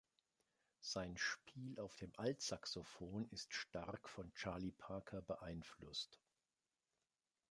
Sein Spiel auf dem Altsaxophon ist stark von Charlie Parker beeinflusst.